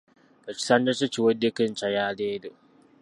Ekisanja kye kiweddeko enkya ya leero.